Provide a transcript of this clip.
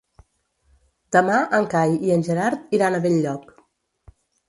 Demà en Cai i en Gerard iran a Benlloc.